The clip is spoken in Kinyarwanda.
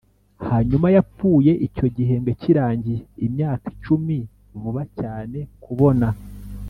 hanyuma yapfuye icyo gihembwe kirangiye, imyaka icumi vuba cyane kubona